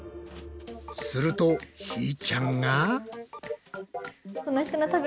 するとひーちゃんが。